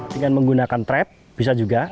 dengan menggunakan trap bisa juga